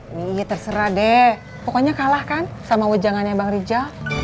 ini terserah deh pokoknya kalah kan sama wejangannya bang rijal